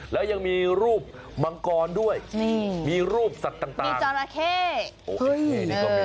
และยังมีรูปมังกรด้วยมีรูปสัตว์ต่างมีจอลโต้